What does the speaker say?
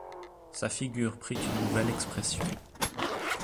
Sa figure prit une nouvelle expression.